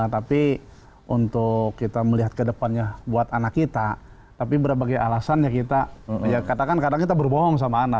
tapi untuk kita melihat ke depannya buat anak kita tapi berbagai alasan ya kita ya katakan kadang kita berbohong sama anak